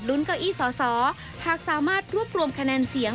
เก้าอี้สอสอหากสามารถรวบรวมคะแนนเสียง